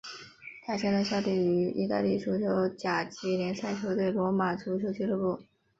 他现在效力于意大利足球甲级联赛球队罗马足球俱乐部。